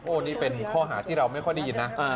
นี่เป็นข้อหาที่เราไม่ค่อยได้ยินนะ